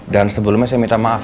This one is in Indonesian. dan sebelumnya saya minta maaf